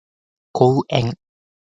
公園